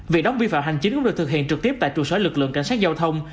việc đóng vi phạm hành chính cũng được thực hiện trực tiếp tại trụ sở lực lượng cảnh sát giao thông